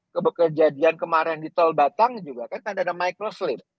kejadian kemarin di tol batang juga kan kan ada microsleep